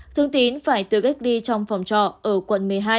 thương tín phải tự cách đi trong phòng trò ở quận một mươi hai